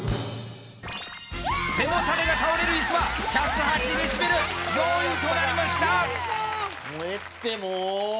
背もたれが倒れる椅子は１０８デシベル４位となりました